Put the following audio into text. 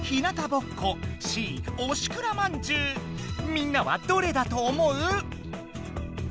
みんなはどれだと思う？